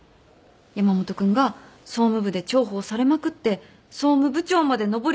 山本君が総務部で重宝されまくって総務部長まで上り詰める姿が。